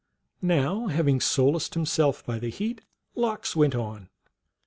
Now having solaced himself by the heat, Lox went on.